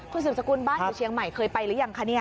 คุณศิษย์สกุลบ้านเชียงใหม่เคยไปหรือยังคะเนี่ย